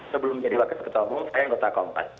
sebelum menjadi wakil ketua umum saya anggota kompas